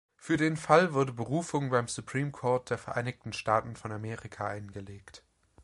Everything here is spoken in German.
Für den Fall wurde Berufung beim Supreme Court der Vereinigten Staaten von Amerika eingelegt.